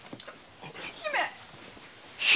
姫！